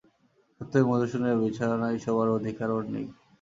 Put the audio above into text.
সত্যই মধুসূদনের বিছানায় শোবার অধিকার ওর নেই।